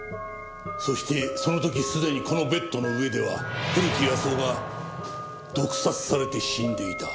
そしてその時すでにこのベッドの上では古木保男が毒殺されて死んでいた。